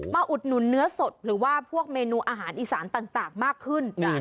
อุดหนุนเนื้อสดหรือว่าพวกเมนูอาหารอีสานต่างมากขึ้น